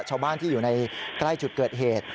ชาวบ้านที่อยู่ในใกล้จุดเกิดเหตุ